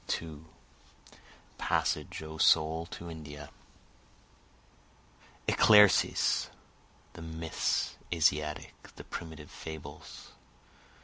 2 Passage O soul to India! Eclaircise the myths Asiatic, the primitive fables.